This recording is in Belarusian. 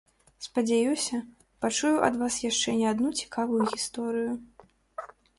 Спадзяюся, пачую ад вас яшчэ не адну цікавую гісторыю.